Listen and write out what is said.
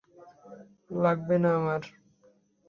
লাগবে না আমার।